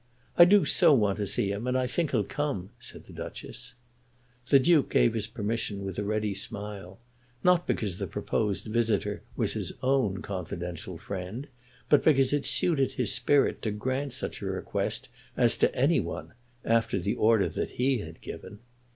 "I do so want to see him, and I think he'll come," said the Duchess. The Duke gave his permission with a ready smile, not because the proposed visitor was his own confidential friend, but because it suited his spirit to grant such a request as to any one after the order that he had given.